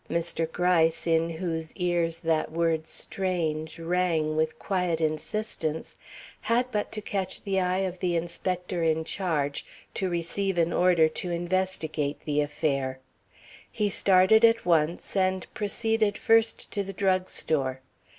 Mr. Gryce, in whose ears that word "strange" rang with quiet insistence, had but to catch the eye of the inspector in charge to receive an order to investigate the affair. He started at once, and proceeded first to the drug store.